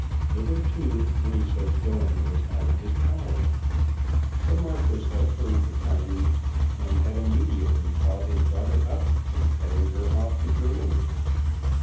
Hitherto any such going was out of his power. The Marquis had heard the tidings, and had immediately caught his daughter up and carried her off to Germany.